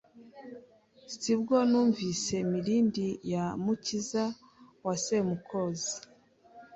Si bwo yumvise Mirindi ya Mukiza wa Semukozi